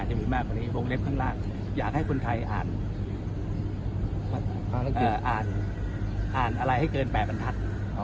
จะมีมากกว่านี้วงเล็บข้างล่างอยากให้คนไทยอ่านอ่านอะไรให้เกิน๘บรรทัศน์